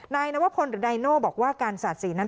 นายนวพลหรือนายโน่บอกว่าการสาดสีนั้น